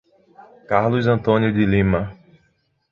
Carlos Antônio de Lima